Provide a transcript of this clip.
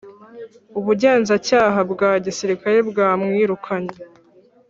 Ubugenzacyaha bwa Gisirikare bwa mwirukanye